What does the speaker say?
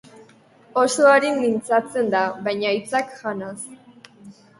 Oso arin mintzatzen da, baina hitzak janaz.